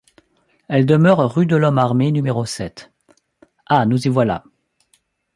Elle demeure rue de l’Homme-Armé, numéro sept. Ah, nous y voilà!